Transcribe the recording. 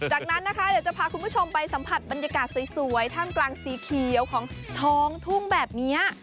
จากนั้นนะคะเดี๋ยวจะพาคุณผู้ชมไปสัมผัสบรรยากาศสวยท่ามกลางสีเขียวของท้องทุ่งแบบนี้